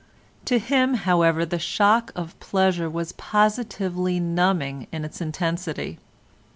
To him, however, the shock of pleasure was positively numbing in its intensity.